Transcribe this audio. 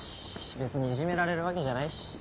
別にいじめられるわけじゃないし。